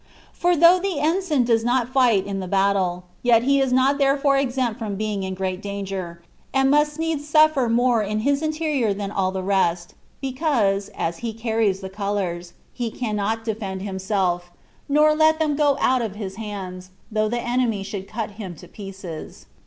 For though the ensign does not fight in the battle, yet he is not therefore exempt from being in great danger, and must needs suffer more in his interior than all the rest, because, as he car ries the colours, he cannot defend himself, nor let 86 THE WAY OP PERFECTION. them go out of his hands^ though the enemy should cut him to pieces.